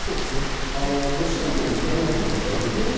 ロシア軍もウクライナ軍も恐らく現状